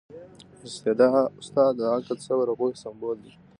استاد د عقل، صبر او پوهې سمبول دی.